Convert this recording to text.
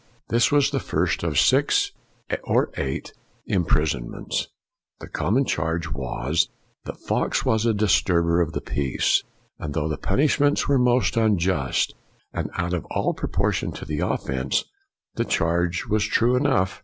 '' This was the first of six or eight im prisonments. The common charge was that Fox was a disturber of the peace, and though the punishments were most unjust and out of all proportion to the offense, the charge was true enough.